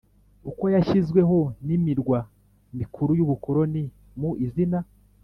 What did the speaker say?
uko yashyizweho n imirwa mikuru y ubukoroni mu izina